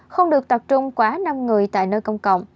không được tập trung quá năm người tại nơi công cộng